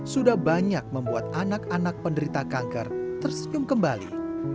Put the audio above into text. sudah banyak membuat anak anak penderita kanker tersenyum kembali